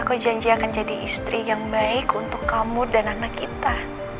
aku janji akan jadi istri yang baik untuk kamu dan anak kita